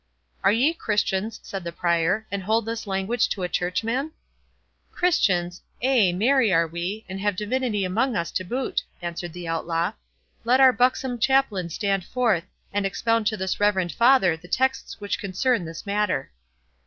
"Are ye Christians," said the Prior, "and hold this language to a churchman?" "Christians! ay, marry are we, and have divinity among us to boot," answered the Outlaw. "Let our buxom chaplain stand forth, and expound to this reverend father the texts which concern this matter."